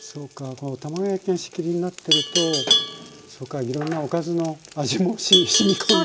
この卵焼きが仕切りになってるとそうかいろんなおかずの味もしみ込んできたり。